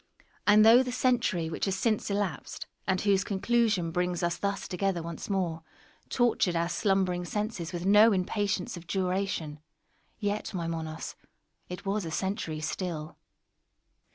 And though the century which has since elapsed, and whose conclusion brings us thus together once more, tortured our slumbering senses with no impatience of duration, yet, my Monos, it was a century still.